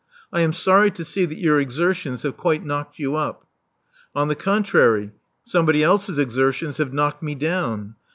I am sorry to see that your exertions have quite knocked you up." On the contrary, somebody else's exertions have knocked me down.